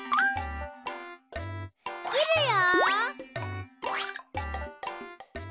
きるよ。